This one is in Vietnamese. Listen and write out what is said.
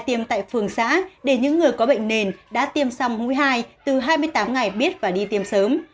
tiêm tại phường xã để những người có bệnh nền đã tiêm xong mũi hai từ hai mươi tám ngày biết và đi tiêm sớm